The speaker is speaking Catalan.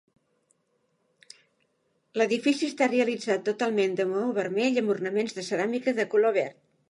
L'edifici està realitzat totalment de maó vermell amb ornaments de ceràmica de color verd.